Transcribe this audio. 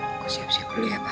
aku siap siap dulu ya pak